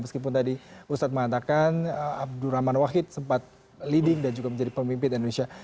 meskipun tadi ustadz mengatakan abdurrahman wahid sempat leading dan juga menjadi pemimpin indonesia